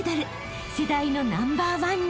［世代のナンバーワンに］